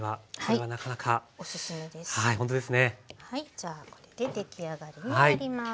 じゃあこれで出来上がりになります。